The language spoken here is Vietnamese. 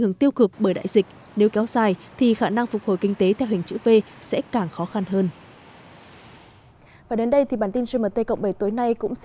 hưởng tiêu cực bởi đại dịch nếu kéo dài khả năng phục hồi kinh tế theo hình chữ v sẽ càng khó khăn hơn